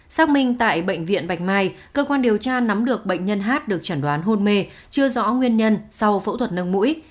xác minh tại bệnh viện bạch mai cơ quan điều tra nắm được bệnh nhân hát được chẩn đoán hôn mê chưa rõ nguyên nhân sau phẫu thuật nâng mũi